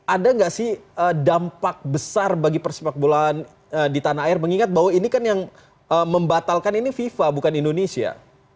ada nggak sih dampak besar bagi persepak bolaan di tanah air mengingat bahwa ini kan yang membatalkan ini fifa bukan indonesia